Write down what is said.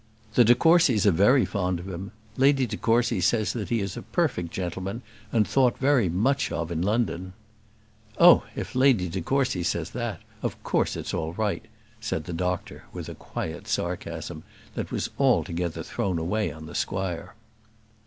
"The de Courcys are very fond of him. Lady de Courcy says that he is a perfect gentleman, and thought very much of in London." "Oh! if Lady de Courcy says that, of course, it's all right," said the doctor, with a quiet sarcasm, that was altogether thrown away on the squire.